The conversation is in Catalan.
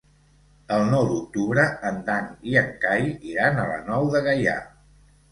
El nou d'octubre en Dan i en Cai iran a la Nou de Gaià.